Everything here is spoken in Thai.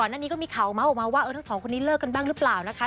อันนี้ก็มีข่าวเมาส์ออกมาว่าทั้งสองคนนี้เลิกกันบ้างหรือเปล่านะคะ